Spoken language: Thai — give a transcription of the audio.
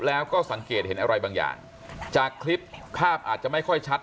แล้วก็สังเกตเห็นอะไรบางอย่างจากคลิปภาพอาจจะไม่ค่อยชัด